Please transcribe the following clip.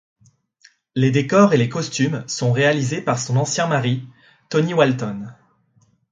Les décors et les costumes sont réalisés par son ancien mari, Tony Walton.